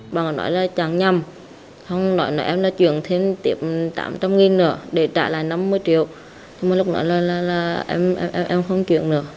bà nói là chẳng nhầm em đã chuyển thêm tiệm tám trăm linh nghìn để trả lại năm mươi triệu lúc đó em không chuyển nữa